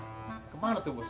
nah ke mana tuh bos